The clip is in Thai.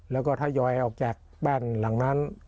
แล้วก็ทยอยออกจากบ้านหลังนั้น